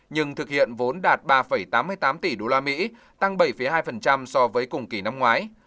nhưng thực hiện vốn đạt ba tám mươi tám tỷ usd tăng bảy hai so với cùng kỳ năm ngoái